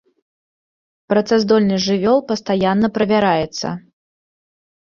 Працаздольнасць жывёл пастаянна правяраецца.